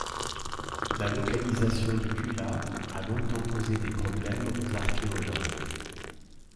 La localisation de Tula a longtemps posé des problèmes aux archéologues.